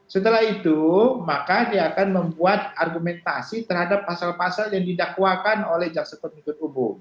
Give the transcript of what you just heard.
setelah itu maka dia akan membuat argumentasi terhadap pasal pasal yang didakwakan oleh jaksa penuntut umum